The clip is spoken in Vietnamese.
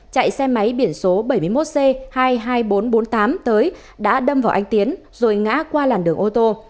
chạy xe máy biển số bảy mươi một c hai mươi hai nghìn bốn trăm bốn mươi tám tới đã đâm vào anh tiến rồi ngã qua làn đường ô tô